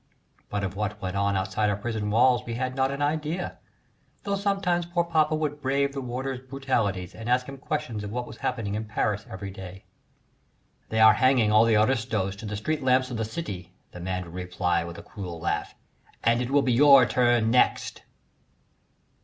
But of what went on outside our prison walls we had not an idea, though sometimes poor papa would brave the warder's brutalities and ask him questions of what was happening in Paris every day. "They are hanging all the aristos to the street lamps of the city," the man would reply, with a cruel laugh, "and it will be your turn next."